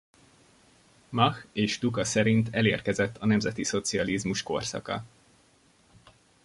Mach és Tuka szerint elérkezett a nemzetiszocializmus korszaka.